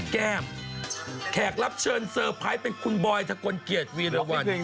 แก้มแขกรับเชิญเซอร์ไพรส์เป็นคุณบอยถ้าคนเกียรติวีเดอร์วัน